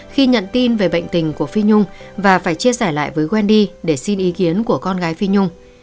khi nhận tin về bệnh tình của phi nhung và phải chia sẻ lại với wendy để xin ý kiến của con gái phi nhung